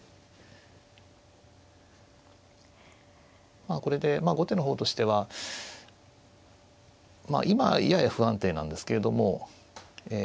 まあこれで後手の方としてはまあ今はやや不安定なんですけれどもええ